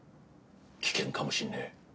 危険かもしんねえ。